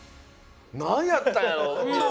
なんやったんやろ？